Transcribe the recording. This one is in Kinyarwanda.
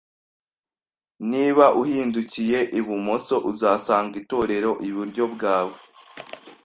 Niba uhindukiye ibumoso, uzasanga itorero iburyo bwawe